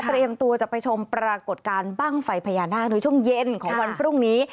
ตัวจะไปชมปรากฏการณ์บ้างไฟพญานาคในช่วงเย็นของวันพรุ่งนี้